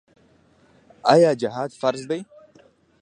آیا جهاد فرض دی؟